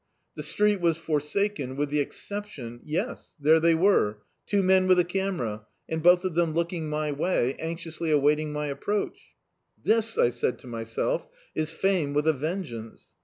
The street was forsaken, with the exception — ^ycs, there they were: two men with a cainera, and both of them looking my way, anxiously awaiting my approach. "This," I said to myself, "is fame with a vengeance."